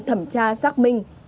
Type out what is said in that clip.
thẩm tra xác minh